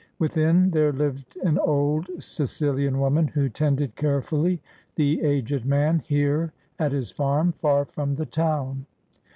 Within, there lived an old Sicilian woman, who tended carefully the aged man here at his farm, far from the town.